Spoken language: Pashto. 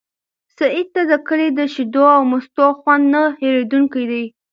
سعید ته د کلي د شیدو او مستو خوند نه هېرېدونکی دی.